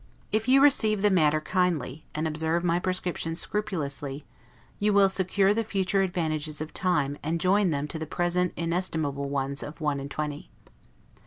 If you receive the matter kindly, and observe my prescriptions scrupulously, you will secure the future advantages of time and join them to the present inestimable ones of one and twenty.